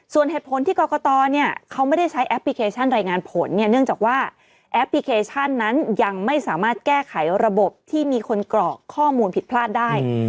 ส่วนเหตุผลที่กรกตเนี่ยเขาไม่ได้ใช้แอปพลิเคชันรายงานผลเนี่ยเนื่องจากว่าแอปพลิเคชันนั้นยังไม่สามารถแก้ไขระบบที่มีคนกรอกข้อมูลผิดพลาดได้